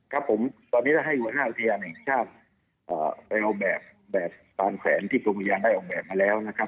ครับผมตอนนี้ถ้าให้อยู่ห้าอาทียาเนี่ยชาติไปเอาแบบสะพานแขวนที่ธุมยานได้ออกแบบมาแล้วนะครับ